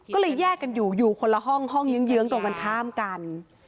ก็เลยแยกกันอยู่อยู่คนละห้องห้องเยื้องตรงกันข้ามกัน